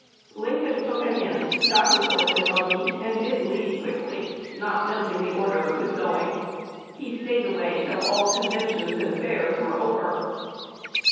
Lincoln took a hint, got his horse and buggy, and did leave quickly, not noting the order of his going. He staid away till all conventions and fairs were over."